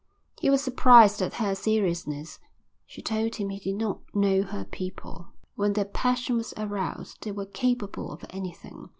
He was surprised at her seriousness. She told him he did not know her people. When their passion was aroused they were capable of anything.